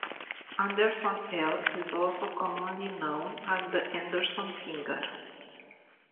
Anderson L is also commonly known as the Anderson Finger.